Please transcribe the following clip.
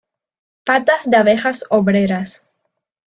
Patas de abejas obreras.